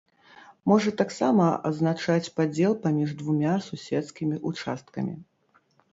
Можа таксама азначаць падзел паміж двумя суседскімі ўчасткамі.